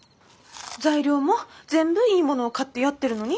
材料も全部いいものを買ってやってるのに。